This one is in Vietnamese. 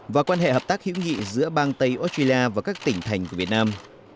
và quan hệ hợp tác hữu nghị giữa bang tây australia và các tỉnh thành của việt nam